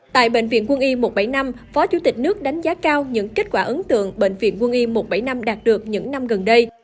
tại bệnh viện quân y một trăm bảy mươi năm phó chủ tịch nước đánh giá cao những kết quả ấn tượng bệnh viện quân y một trăm bảy mươi năm đạt được những năm gần đây